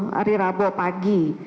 hari rabu pagi